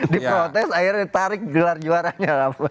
diprotes akhirnya ditarik gelar juaranya